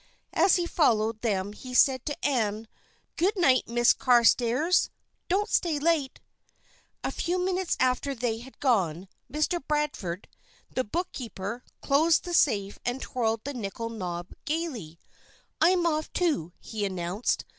As he followed them he said to Ann, "Good night, Miss Carstairs, don't stay late!" A few minutes after they had gone, Mr. Bradford, the bookkeeper, closed the safe and twirled the nickel knob gayly; "I'm off, too," he announced.